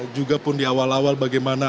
juga pun di awal awal bagaimana